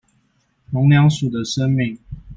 農糧署的聲明